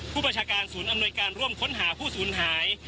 ผู้บัญชาการศูนย์อำนวยการร่วมค้นหาผู้สูญหาย